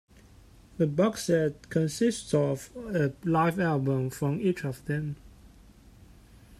The box set consists of a live album from each of them.